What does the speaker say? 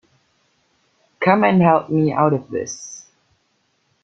Come and help me out of this!’